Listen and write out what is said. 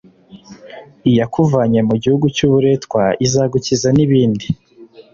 Iyakuvanye mugihugu cyuburetwa izagukiza nibindi